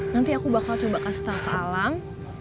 nanti aku bakal coba kasih tau ke alang